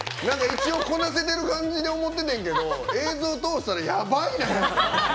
一応、こなせてる感じって思ってるねんけど映像とおしたらやばいな！